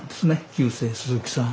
旧姓鈴木さん。